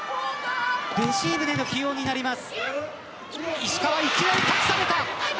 レシーブでの起用になります。